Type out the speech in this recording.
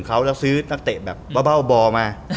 เราก็ซื้อนักเตะเบามา